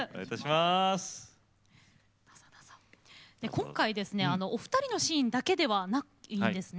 今回ですねお二人のシーンだけではないんですね。